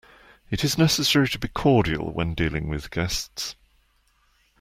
It is necessary to be cordial when dealing with guests.